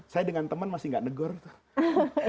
saya dengan teman masih nggak negor tuh